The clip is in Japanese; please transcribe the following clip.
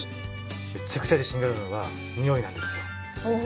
めちゃくちゃ自信があるのがにおいなんですよ。